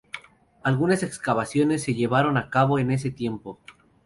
Algunas excavaciones se llevaron a cabo en ese tiempo.